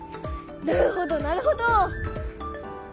なるほどなるほど。